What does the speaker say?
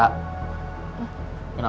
gak ada opa opanya